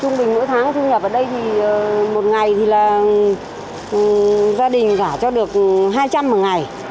trung bình mỗi tháng thu nhập ở đây thì một ngày thì là gia đình giả cho được hai trăm linh một ngày